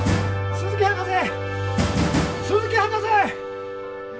鈴木博士！